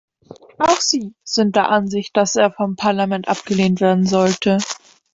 Auch sie sind der Ansicht, dass er vom Parlament abgelehnt werden sollte.